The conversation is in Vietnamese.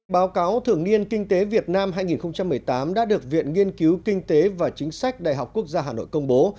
báo cáo thường niên kinh tế việt nam hai nghìn một mươi tám đã được viện nghiên cứu kinh tế và chính sách đại học quốc gia hà nội công bố